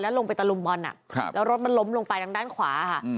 ลงไปตะลุมบอลแล้วรถมันล้มลงไปทางด้านขวาค่ะ